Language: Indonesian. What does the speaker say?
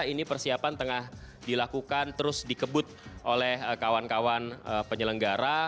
ini persiapan tengah dilakukan terus dikebut oleh kawan kawan penyelenggara